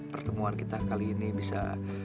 pertemuan kita kali ini bisa